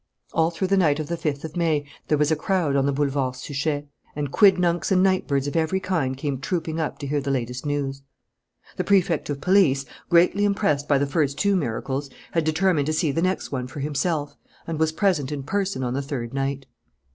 All through the night of the fifth of May there was a crowd on the Boulevard Suchet; and quidnuncs and night birds of every kind came trooping up to hear the latest news. The Prefect of Police, greatly impressed by the first two miracles, had determined to see the next one for himself, and was present in person on the third night.